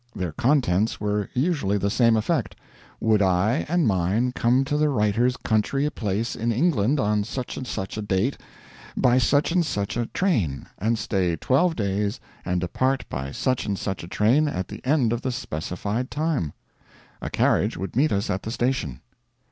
Their contents were usually to the same effect: would I and mine come to the writer's country place in England on such and such a date, by such and such a train, and stay twelve days and depart by such and such a train at the end of the specified time? A carriage would meet us at the station.